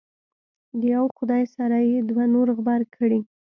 د یو خدای سره یې دوه نور غبرګ کړي.